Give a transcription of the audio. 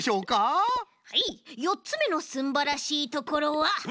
はいよっつめのすんばらしいところはこちらです。